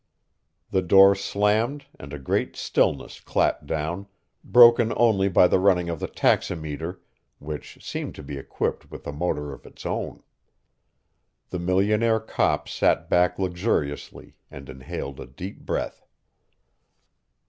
The door slammed and a great stillness clapped down, broken only by the running of the taximeter, which seemed to be equipped with a motor of its own. The millionaire cop sat back luxuriously and inhaled a deep breath.